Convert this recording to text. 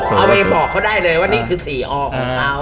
เอาเป็นบอกก็ได้เลยว่านี่คือ๔ออของเขา